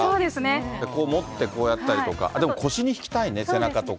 持ってこうやったりとか、でも腰にひきたいね、背中とか。